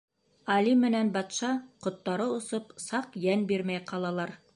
Али менән батша, ҡоттары осоп, саҡ йән бирмәй ҡалалар.